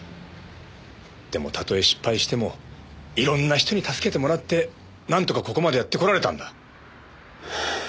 でもたとえ失敗してもいろんな人に助けてもらってなんとかここまでやってこられたんだ。